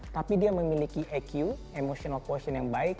tapi dia memiliki eq emotional question yang baik